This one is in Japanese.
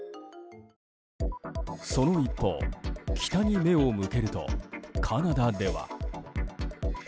その一方、北に目を向けるとカナダでは。